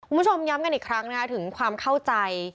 คุณผู้ชมย้ำกันอีกครั้งนะคะถึงความเข้าใจ